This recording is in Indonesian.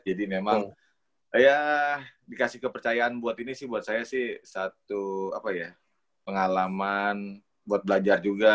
jadi memang ya dikasih kepercayaan buat ini sih buat saya sih satu apa ya pengalaman buat belajar juga